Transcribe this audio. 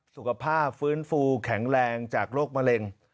สุขภาพฟื้นฟูแข็งแรงจากโรคมะเร็ง